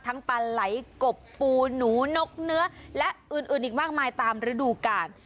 ปลาไหลกบปูหนูนกเนื้อและอื่นอีกมากมายตามฤดูกาล